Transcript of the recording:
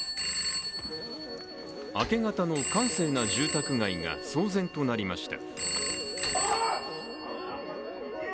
明け方の閑静な住宅街が騒然となりました。